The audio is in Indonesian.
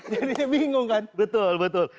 jadi bingung kan betul betul